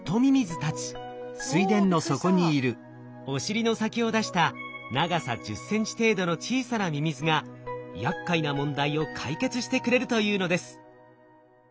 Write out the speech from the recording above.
お尻の先を出した長さ１０センチ程度の小さなミミズがやっかいな問題を解決してくれるというのです。